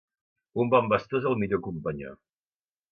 Un bon bastó és el millor companyó.